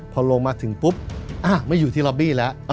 พอลงมาถึงปุ๊บไม่อยู่ที่ล็อบบี้แล้ว